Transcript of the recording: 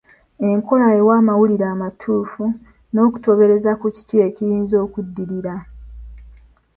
Enkola ewa amawulire amatuufu n'okuteebereza ku ki ekiyinza okuddirira.